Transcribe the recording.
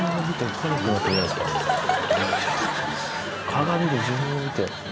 鏡で自分を見て。